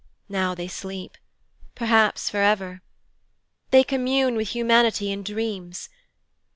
Now they sleep perhaps for ever. They commune with humanity in dreams.